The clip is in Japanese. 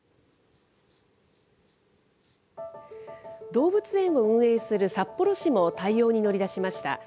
動物園を運営する札幌市も対応に乗り出しました。